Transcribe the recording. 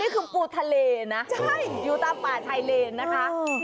คือปูทะเลนะอยู่ตามป่าไชเลนนะคะ